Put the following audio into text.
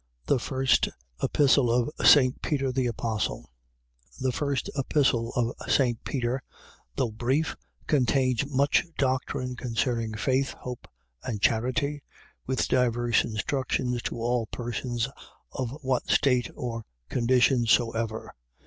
THE FIRST EPISTLE OF ST. PETER THE APOSTLE The first Epistle of St. Peter, though brief, contains much doctrine concerning Faith, Hope, and Charity, with divers instructions to all persons of what state or condition soever.